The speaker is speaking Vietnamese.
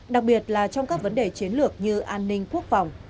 đặc biệt là trong các vấn đề chiến lược như an ninh quốc phòng